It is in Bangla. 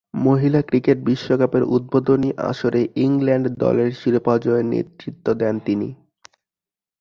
মহিলা ক্রিকেট বিশ্বকাপের উদ্বোধনী আসরে ইংল্যান্ড দলের শিরোপা জয়ে নেতৃত্ব দেন তিনি।